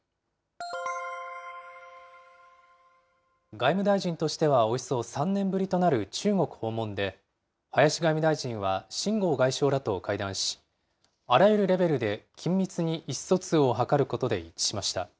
外務大臣としてはおよそ３年ぶりとなる中国訪問で、林外務大臣は秦剛外相らと会談し、あらゆるレベルで緊密に意思疎通を図ることで一致しました。